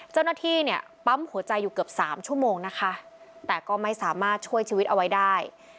เจ้าหน้าที่เนี่ยปั๊มหัวใจอยู่เกือบสามชั่วโมงนะคะแต่ก็ไม่สามารถช่วยชีวิตเอาไว้ได้